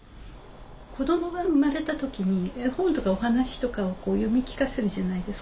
子どもが生まれた時に絵本とかお話とかをこう読み聞かせるじゃないですか。